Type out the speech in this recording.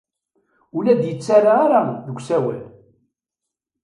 Ur la d-yettarra ara deg usawal.